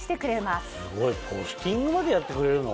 すごいポスティングまでやってくれるの？